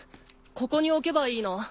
ここに置けばいいの？